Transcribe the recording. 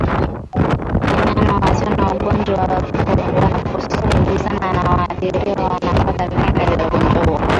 Wanyama wasio wagonjwa wanapogusana na walioathirika wanapata viini vya ugonjwa huu